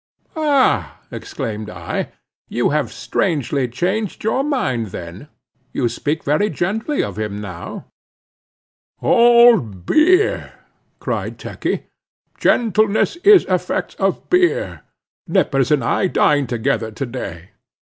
"Ah," exclaimed I, "you have strangely changed your mind then—you speak very gently of him now." "All beer," cried Turkey; "gentleness is effects of beer—Nippers and I dined together to day.